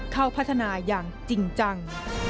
เข้าพัฒนาอย่างจริงจัง